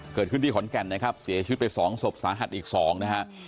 เกิดขึ้นที่ขอนแก่นนะครับเสียชีวิตไปสองศพสาหัสอีก๒นะฮะ